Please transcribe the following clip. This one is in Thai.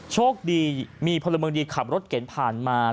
โชคดีมีพลเมืองดีขับรถเก่งผ่านมา